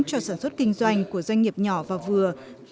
cho sản xuất kinh doanh của doanh nghiệp nhỏ và vừa